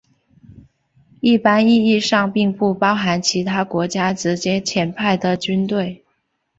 一般意义上并不包含其他国家直接派遣的军队。